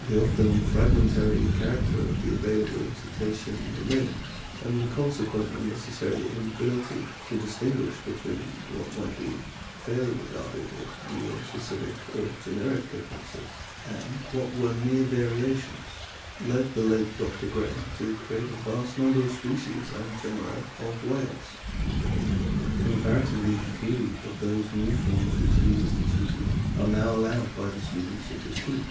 The often fragmentary char acter of the available Cetacean remains, and the consequent and necessary inability to distinguish between what might be fairly regarded as real specific or generic differences and what were mere variations, led the late Dr. Gray to create a vast number of species and genera of whales ; compara tively few of those new forms which he instituted are now allowed by the students of this group.